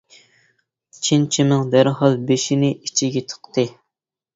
چىن چىمىڭ دەرھال بېشىنى ئىچىگە تىقتى.